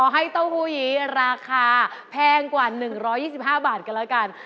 ๑๒๕บาทกันแล้วกัน